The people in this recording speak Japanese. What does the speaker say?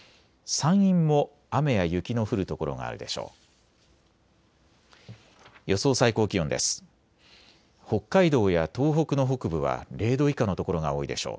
山陰も雨や雪の降る所があるでしょう。